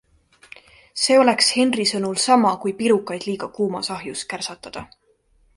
See oleks Henry sõnul sama, kui pirukaid liiga kuumas ahjus kärsatada.